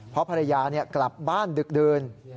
เพราะภรรยากลับบ้านดึกดื่น